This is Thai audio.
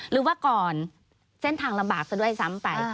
หรือว่าก่อนเส้นทางลำบากซะด้วยซ้ำไป